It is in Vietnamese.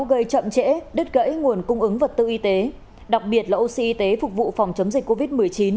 gây chậm trễ đứt gãy nguồn cung ứng vật tư y tế đặc biệt là oxy phục vụ phòng chống dịch covid một mươi chín